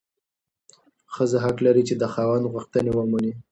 ښځه حق لري چې د خاوند غوښتنې ومني.